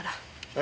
え？